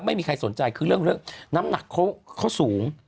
ไม่มีใครสนใจคือเรื่องน้ำหนักเขาสูง